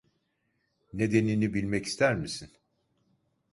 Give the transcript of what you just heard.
Nedenini bilmek ister misin?